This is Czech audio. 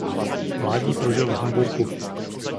Mládí prožil v Hamburku.